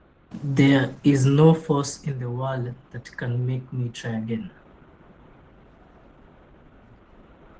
There is no force in the world that can make me try again.